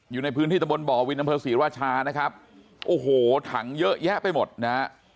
อยู่ในพื้นที่ตะบนบ่อวินอำเภอศรีราชานะครับโอ้โหถังเยอะแยะไปหมดนะฮะ